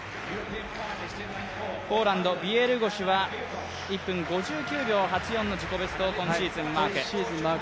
ポーランド、ビエルゴシュは１分５９秒８４の自己ベストを今シーズンマーク。